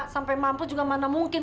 sampai mampu juga mana mungkin